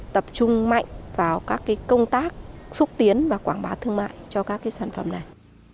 tập trung mạnh vào các công tác xúc tiến và quảng bá thương mại cho các sản phẩm này